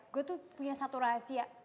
gue tuh punya satu rahasia